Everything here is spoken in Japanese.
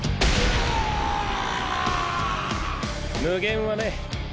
「無限」はね